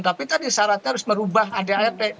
tapi tadi syaratnya harus merubah adrt